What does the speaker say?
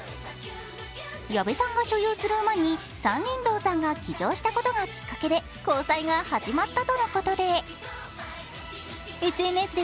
矢部さんが所有する馬に山林堂さんが騎乗したことがきっかけで交際が始まったとのことで。